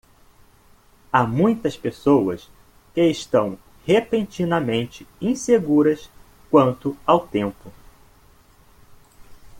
Há muitas pessoas que estão repentinamente inseguras quanto ao tempo.